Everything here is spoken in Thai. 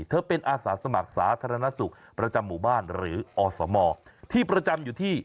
เธอเป็นอาสาสมัครสาธารณสุขประจำหมู่บ้านหรืออสมที่ประจำอยู่ที่